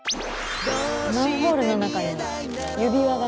マンホールの中に指輪が。